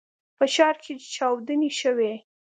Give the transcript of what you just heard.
په ښار کې چاودنې شوي.